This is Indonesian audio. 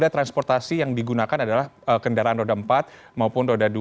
transportasi yang digunakan adalah kendaraan roda empat maupun roda dua